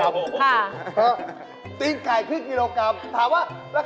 ว้านา้